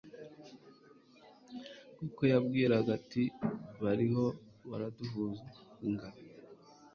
kuko yibwiraga ati bariho baraduhunga